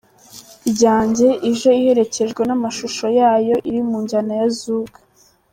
ryanjye ije iherekejwe namashusho yayo iri mu njyana ya zouk.